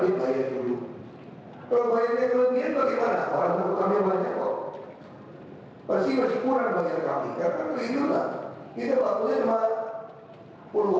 ini kalau dihitungkan dulu ya kamu coba hitunglah dulu